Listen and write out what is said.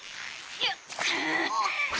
よっ！